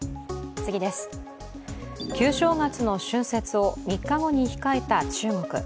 旧正月の春節を３日後に控えた中国。